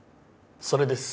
それです。